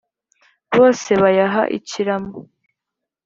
Bose bayaha ikiramo,